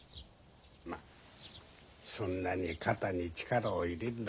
まそんなに肩に力を入れるな。